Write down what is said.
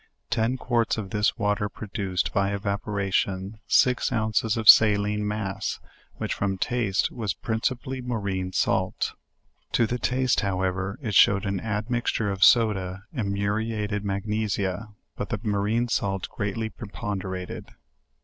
Ten quarts of this water produced, by evaporation, six ounces of saline mass, which, from taste, was principally marine salt; to the taste, howev er it showed an admixture of soda, and muriated magnessia, but the marine salt greatly preponderated.